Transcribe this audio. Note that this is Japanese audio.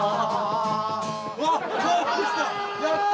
うわ興奮した！